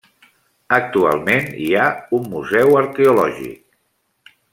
Actualment hi ha un museu arqueològic.